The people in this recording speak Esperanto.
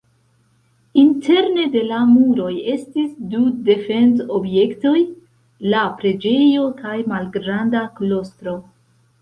Interne de la muroj estis du defend-objektoj: la preĝejo kaj malgranda klostro.